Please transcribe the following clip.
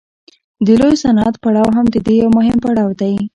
د لوی صنعت پړاو هم د دې یو مهم پړاو دی